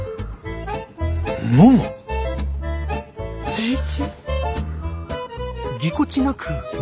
誠一？